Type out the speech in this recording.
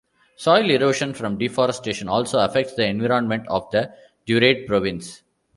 Soil erosion from deforestation also affects the environment of the Duarte Province.